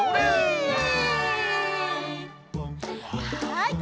はい。